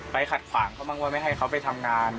ขัดขวางเขาบ้างว่าไม่ให้เขาไปทำงาน